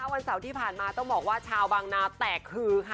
วันเสาร์ที่ผ่านมาต้องบอกว่าชาวบางนาแตกคือค่ะ